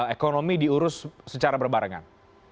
ekonomi diurus secara berbarengan